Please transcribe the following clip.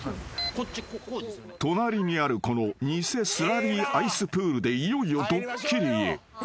［隣にあるこの偽スラリーアイスプールでいよいよドッキリへ］